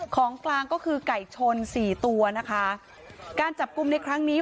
ของกลางก็คือไก่ชนสี่ตัวนะคะการจับกลุ่มในครั้งนี้